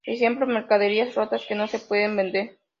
Ejemplo: mercaderías rotas que no se pueden vender.